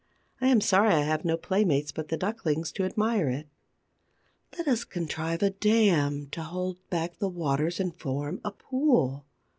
I am sorry I have no playmates but the ducklings to admire it. Let us contrive a dam to hold back the waters and form a pool.